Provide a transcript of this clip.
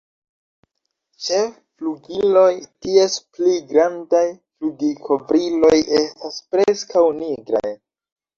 Ĉe flugiloj, ties pli grandaj flugilkovriloj estas preskaŭ nigraj.